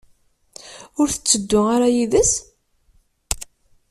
Ur tetteddu ara yid-s?